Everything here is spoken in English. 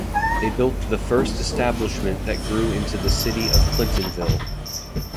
They built the first establishment that grew into the city of Clintonville.